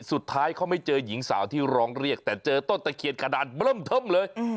สุดท้ายเขาไม่เจอหญิงสาวที่ร้องเรียกแต่เจอต้นตะเคียนกระดานเบล่มเทิมเลย